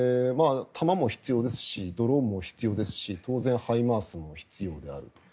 弾も必要ですしドローンも必要ですし当然ＨＩＭＡＲＳも必要であると。